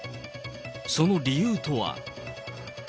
その理由とは。